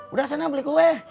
udah sana beli kue